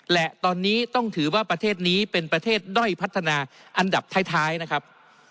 และตอนนี้ต้องถือว่าประเทศนี้เป็นประเทศด้อยพัฒนาอันดับท้ายนะครับ